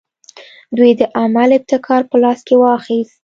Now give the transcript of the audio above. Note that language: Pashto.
دوی د عمل ابتکار په لاس کې واخیست.